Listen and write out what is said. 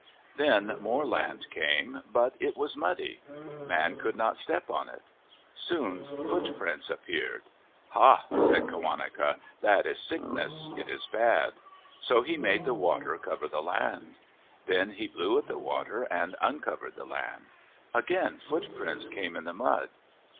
Then more land came, but it was muddy. Man could not step on it. Soon footprints appeared. " Ha," said Qawaneca. " That is sickness. It is bad." So he made the water cover the land. Then he blew at the water and uncovered the land. Again footprints came in the mud.